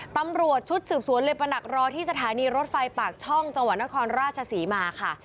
ตำรวจชุดสืบสวนเลยประดักรอที่สถานีรถไฟปากช่องจังหวัดนครราชศรีมาค่ะ